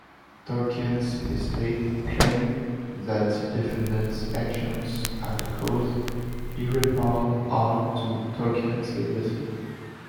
Tolkien's estate claimed that the defendants' actions had caused "irreparable harm to Tolkien's legacy".